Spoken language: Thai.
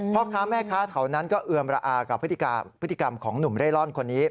พ่อค้าแม่ค้าแถวนั้นก็เอือมระอากับพฤติกรรมของหนุ่มเร่ร่อนคนนี้